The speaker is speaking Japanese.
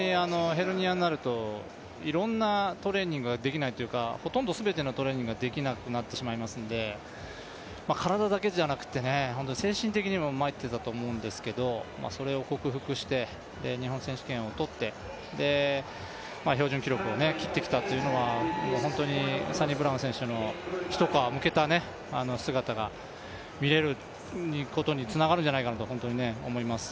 ヘルニアになると、いろんなトレーニングができないというか、ほとんどすべてのトレーニングができなくなってしまうので体だけじゃなくて、精神的にもまいっていたと思うんですけどそれを克服して、日本選手権をとって標準記録を切ってきたというのは、本当にサニブラウン選手の一皮むけた姿が見れることにつながるんじゃないかと本当に思います。